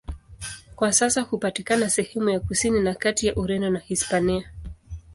Kwa sasa hupatikana sehemu ya kusini na kati ya Ureno na Hispania.